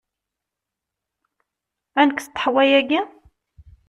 Ad nekkes ṭeḥwa-agi?